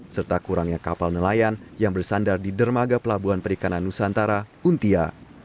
serta kurangnya kapal nelayan yang bersandar di dermaga pelabuhan perikanan nusantara untia